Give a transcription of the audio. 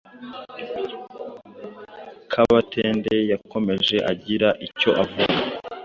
Kabatende yakomeje agira icyo avga